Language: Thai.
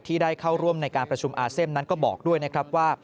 ที่ได้เข้าร่วมในการประชุมอะเสมนั้นก็บอกด้วยว่า